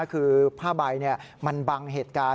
คือผ้าใบมันบังเหตุการณ์